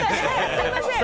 すみません。